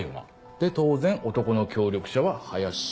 で当然男の協力者は林。